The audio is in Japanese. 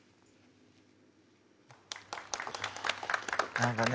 何かね